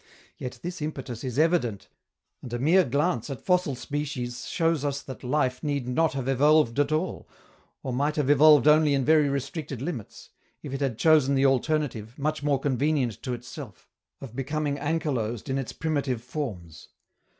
Yet this impetus is evident, and a mere glance at fossil species shows us that life need not have evolved at all, or might have evolved only in very restricted limits, if it had chosen the alternative, much more convenient to itself, of becoming anchylosed in its primitive forms.